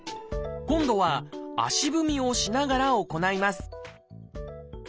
今度は足踏みをしながら行います